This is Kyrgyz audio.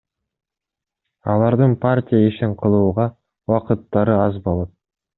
Алардын партия ишин кылууга убакыттары аз болот.